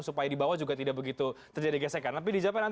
supaya di bawah juga tidak begitu terjadi gesekan